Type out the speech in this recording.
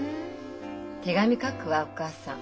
手紙書くわお母さん。